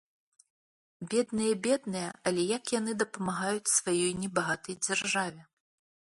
Бедныя-бедныя, але як яны дапамагаюць сваёй небагатай дзяржаве!